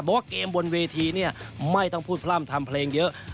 ว่าเกมบนเวทีเนี่ยไม่ต้องพูดพร่ำทำเพลงเยอะ